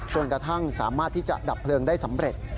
จนกระทั่งสามารถที่จะดับเพลิงได้สำเร็จ